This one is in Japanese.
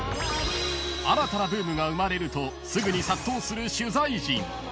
［新たなブームが生まれるとすぐに殺到する取材陣］